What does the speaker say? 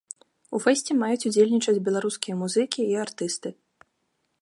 У фэсце маюць удзельнічаць беларускія музыкі і артысты.